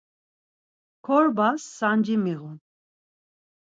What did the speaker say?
Korbas sanci miğun.